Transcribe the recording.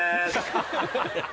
ハハハハ！